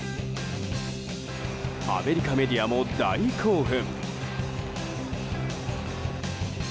アメリカメディアも大興奮。